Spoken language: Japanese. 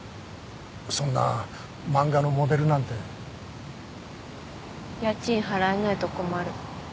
そんな漫画のモデルなんて家賃払えないと困る